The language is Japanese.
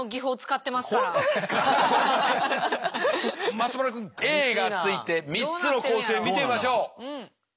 松丸君Ａがついて３つの構成見てみましょう。